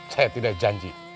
saya tidak janji